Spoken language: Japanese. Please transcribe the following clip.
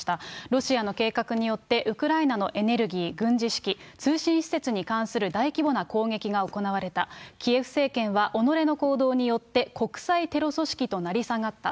ロシアの計画によって、ウクライナのエネルギー、軍事指揮、通信施設に関する大規模な攻撃が行われた、キエフ政権は己の行動によって、国際テロ組織となり下がった。